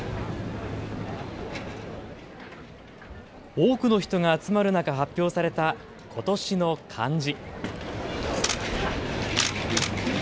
多くの人が集まる中、発表された今年の漢字。